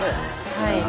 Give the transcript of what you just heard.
はい。